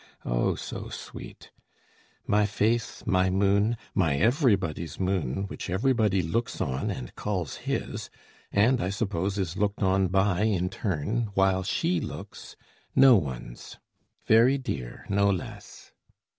oh, so sweet My face, my moon, my everybody's moon, Which everybody looks on and calls his, And I suppose is looked on by in turn, While she looks no one's: very dear, no less.